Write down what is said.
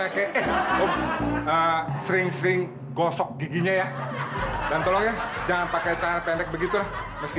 ya kek sering sering gosok giginya ya dan tolong jangan pakai cara pendek begitu meski